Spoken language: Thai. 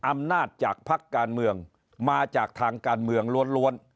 อำนาจจากพักการเมืองมาจากทางการเมืองล้วน